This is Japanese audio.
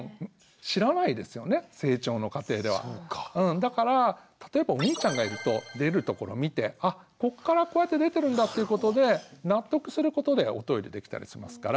だから例えばお兄ちゃんがいると出るところ見てあこっからこうやって出てるんだっていうことで納得することでおトイレできたりしますから。